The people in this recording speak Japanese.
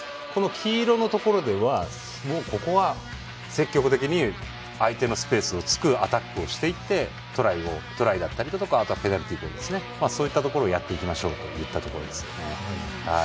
黄色のところではもうここは積極的に相手のスペースをつくアタックをしていってトライだったりとかそういったことをやっていきましょうというところです。